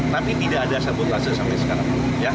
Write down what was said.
tapi tidak ada sabotase sampai sekarang